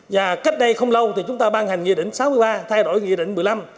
và cách đây không lâu thì chúng ta ban hành nghị định sáu mươi ba thay đổi nghị định một mươi năm